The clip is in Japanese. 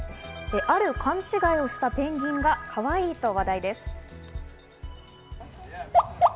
ある勘違いをしたペンギンがかわいいと話題です。